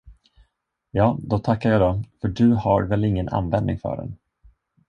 Ja, då tackar jag då, för du har väl ingen användning för den.